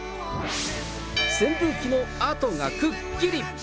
扇風機の跡がくっきり。